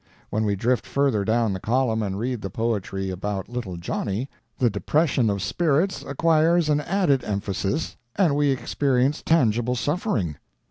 When we drift further down the column and read the poetry about little Johnnie, the depression and spirits acquires an added emphasis, and we experience tangible suffering.